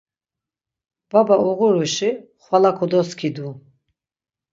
Baba uğuruşi xvala kodoskidu.